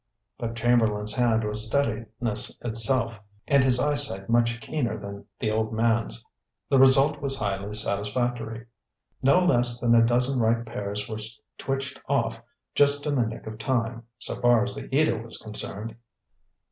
But Chamberlain's hand was steadiness itself, and his eyesight much keener than the old man's. The result was highly satisfactory. No less than a dozen ripe pears were twitched off, just in the nick of time, so far as the eater was concerned.